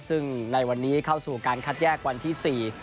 ซึ่งในวันนี้เข้าสู่การคัดแยกวันที่๔